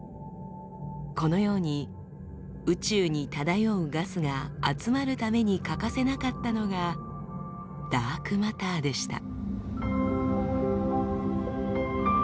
このように宇宙に漂うガスが集まるために欠かせなかったのがダークマターでした。